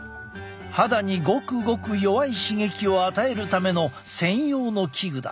肌にごくごく弱い刺激を与えるための専用の器具だ。